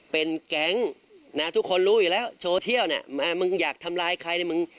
เป็นแก๊งนะทุกคนรู้อยู่แล้วโชว์เที่ยวมึงอยากทำร้ายใคร